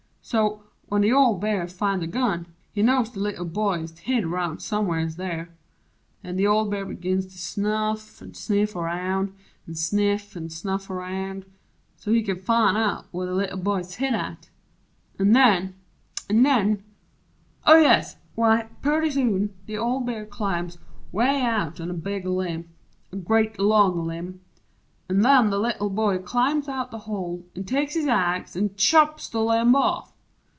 So, when the old Bear find' the gun, he knows The Little Boy's ist hid 'round somers there, An' th' old Bear 'gins to snuff an' sniff around, An' sniff an' snuff around so's he kin find Out where the Little Boy's hid at. An' nen nen Oh, yes! W'y, purty soon the old Bear climbs 'Way out on a big limb a grea' long limb, An' nen the Little Boy climbs out the hole An' takes his ax an' chops the limb off!...